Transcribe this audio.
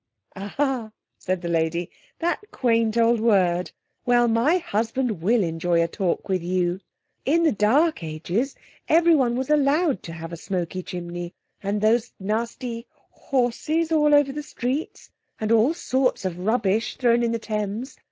"Ah," said the lady, "that quaint old word! Well, my husband will enjoy a talk with you. In the dark ages everyone was allowed to have a smoky chimney, and those nasty horses all over the streets, and all sorts of rubbish thrown into the Thames.